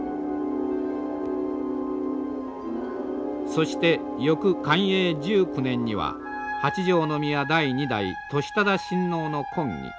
そして翌寛永１９年には八条宮第二代智忠親王の婚儀。